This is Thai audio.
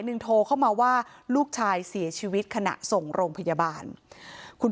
หนึ่งโทรเข้ามาว่าลูกชายเสียชีวิตขณะส่งโรงพยาบาลคุณ